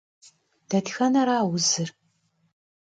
Detxenera vuzır?